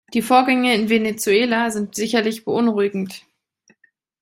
Die Vorgänge in Venezuela sind sicherlich beunruhigend.